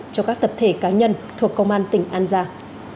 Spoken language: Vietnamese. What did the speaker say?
cho các tập thể cá nhân thuộc công an tỉnh an giang